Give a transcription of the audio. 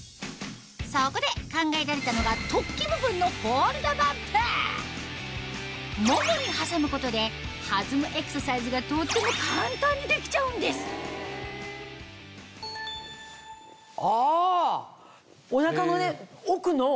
そこで考えられたのが突起部分のももに挟むことで弾むエクササイズがとっても簡単にできちゃうんですあ！